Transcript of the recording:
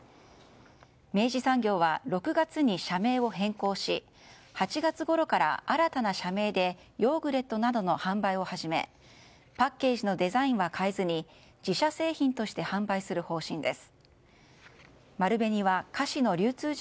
明治産業は６月に社名を変更し８月ごろから新たな社名でヨーグレットなどの販売を始めパッケージのデザインは変えずに自社製品として販売する方針です。